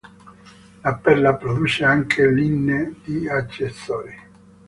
La Perla produce anche linee di accessori.